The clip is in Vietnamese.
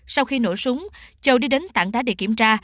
sau khi nổ súng châu đi đến tảng đá để kiểm tra